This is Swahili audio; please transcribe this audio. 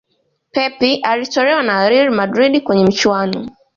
Pep alitolewa na Real Madrid kwenye michuano